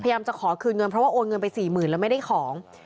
พยายามจะขอคืนเงินเพราะว่าโอนเงินไปสี่หมื่นแล้วไม่ได้ของ